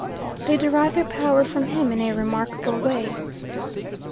They derive their power from him in a remarkable way.